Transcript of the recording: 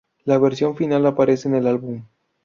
La versión final aparece en el álbum.